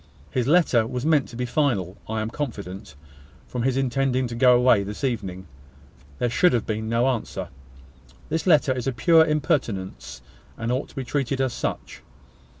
His letter was meant to be final, I am confident, from his intending to go away this evening. There should have been no answer. This letter is a pure impertinence, and ought to be treated as such.